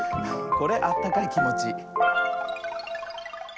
これあったかいきもち。